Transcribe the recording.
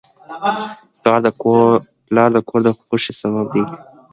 پلار د کور د خوښۍ سبب دی.